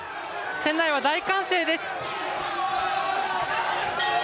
店内は大歓声です。